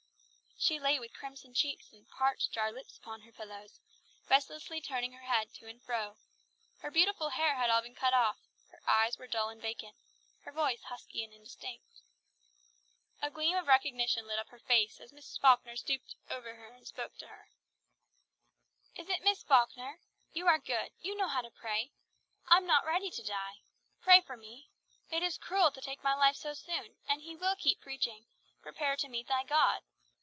She lay with crimson cheeks and parched, dry lips upon her pillows, restlessly turning her head to and fro; her beautiful hair had all been cut off; her eyes were dull and vacant; her voice husky and indistinct. A gleam of recognition lit up her face as Miss Falkner stooped over her and spoke to her. "Is it Miss Falkner? You are good, you know how to pray. I am not ready to die. Pray for me. It is cruel to take my life so soon, and he will keep preaching, 'Prepare to meet thy God.'